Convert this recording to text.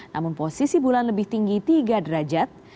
namun posisi bulan lebih tinggi tiga derajat